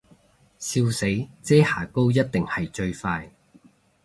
笑死，遮瑕膏一定係最快